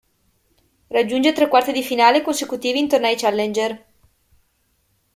Raggiunge tre quarti di finale consecutivi in tornei Challenger.